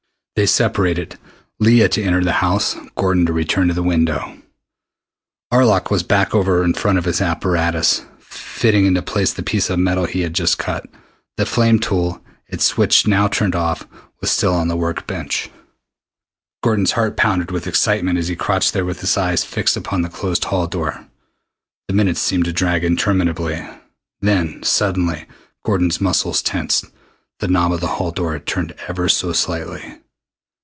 They separated, Leah to enter the house, Gordon to return to the window. Arlok was back over in front of the apparatus, fitting into place the piece of metal he had just cut. The flame tool, its switch now turned off, was still on the work bench. Gordon's heart pounded with excitement as he crouched there with his eyes fixed upon the closed hall door. The minutes seemed to drag interminably. Then suddenly Gordon's muscles tensed. The knob of the hall door had turned ever so slightly.